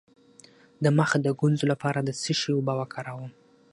د مخ د ګونځو لپاره د څه شي اوبه وکاروم؟